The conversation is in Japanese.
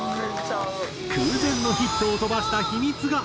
空前のヒットを飛ばした秘密が明らかに！